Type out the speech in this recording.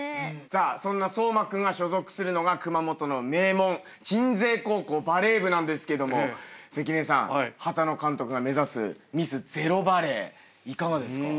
さあそんな颯真君が所属するのが熊本の名門鎮西高校バレー部なんですけども関根さん畑野監督が目指すミスゼロバレーいかがですか？